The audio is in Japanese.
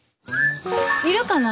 いるかな？